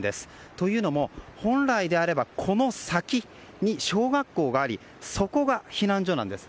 というのも本来であればこの先に小学校がありそこが避難所なんです。